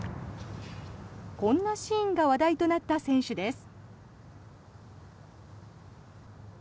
こんなシーンが話題となった選手です。